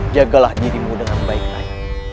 jagalah dirimu dengan baik baik